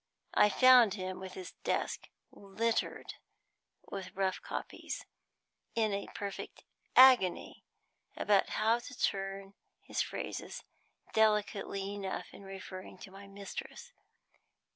I found him with his desk littered with rough copies, in a perfect agony about how to turn his phrases delicately enough in referring to my mistress.